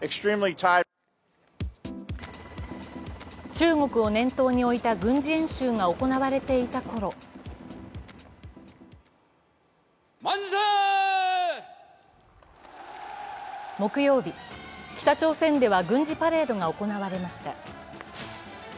中国を念頭に置いた軍事演習が行われていたころ木曜日、北朝鮮では軍事パレードが行われました。